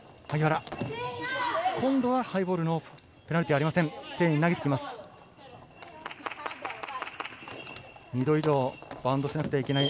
今度はハイボールのペナルティーはありません。